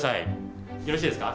よろしいですか？